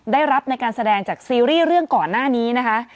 ได้รับในการแสดงจากซีรีส์เรื่องก่อนหน้านี้นะคะ